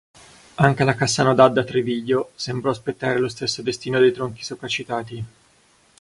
Anche alla Cassano d'Adda-Treviglio sembrò spettare lo stesso destino dei tronchi sopracitati.